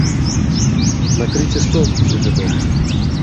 Накрыйце стол у сябе дома.